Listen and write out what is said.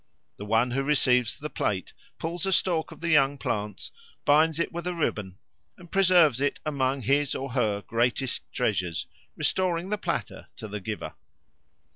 The one who receives the plate pulls a stalk of the young plants, binds it with a ribbon, and preserves it among his or her greatest treasures, restoring the platter to the giver.